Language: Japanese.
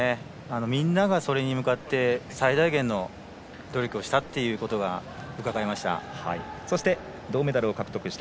みんながそれに向かって最大限の努力をしたということがうかがえました。